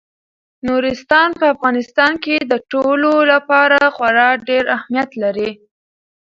نورستان په افغانستان کې د ټولو لپاره خورا ډېر اهمیت لري.